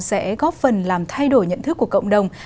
sẽ góp phần làm thay đổi nhận thức của cộng đồng